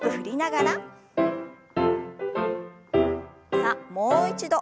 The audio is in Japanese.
さあもう一度。